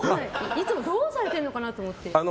いつもどうされてるのかなと思って。